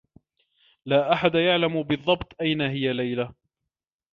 لا أحد يعلم بالضّبط أين هي ليلى.